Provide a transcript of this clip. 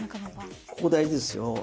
ここ大事ですよ。